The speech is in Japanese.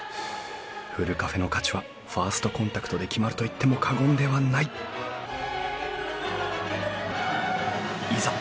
ふるカフェの価値はファーストコンタクトで決まると言っても過言ではないいざ